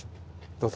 どうぞ。